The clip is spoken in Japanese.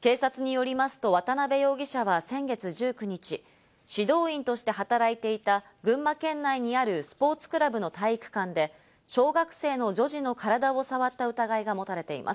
警察によりますと渡辺容疑者は先月１９日、指導員として働いていた群馬県内にあるスポーツクラブの体育館で小学生の女児の体を触った疑いが持たれています。